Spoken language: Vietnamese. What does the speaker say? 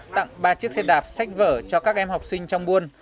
tặng ba chiếc xe đạp sách vở cho các em học sinh trong buôn